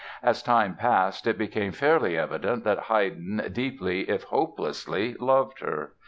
As time passed it became fairly evident that Haydn deeply, if hopelessly, loved her.